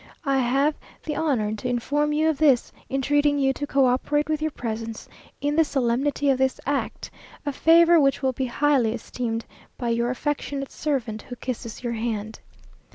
I have the honour to inform you of this, entreating you to co operate with your presence in the solemnity of this act, a favour which will be highly esteemed by your affectionate servant, who kisses your hand.